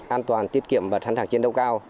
an toàn tiết kiệm và sẵn sàng chiến đấu cao